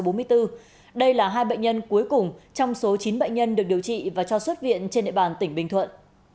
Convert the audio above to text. bệnh nhân cuối cùng trong số chín bệnh nhân được điều trị và cho xuất viện trên địa bàn tỉnh bình thuận